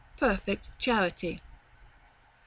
Perfect charity. 4.